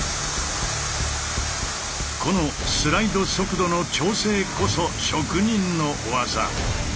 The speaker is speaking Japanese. このスライド速度の調整こそ職人の技。